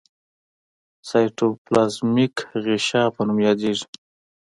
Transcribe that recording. سایټوپلازمیک غشا په نوم یادیږي.